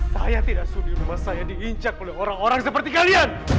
saya tidak sudah mau diincak oleh orang orang seperti kalian